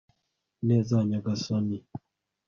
ineza ya nyagasani